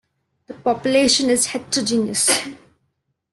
The population is heterogeneous.